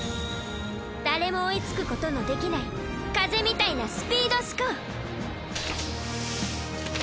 誰も追いつくことのできない風みたいなスピード思考。